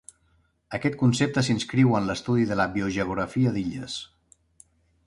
Aquest concepte s'inscriu en l'estudi de la biogeografia d'illes.